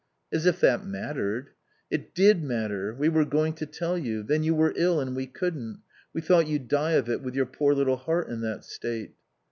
"As if that mattered." "It did matter. We were going to tell you. Then you were ill and we couldn't. We thought you'd die of it, with your poor little heart in that state."